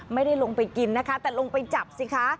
ไม่ได้ลงไปกินนะคะแต่ลงไปจับสิคะ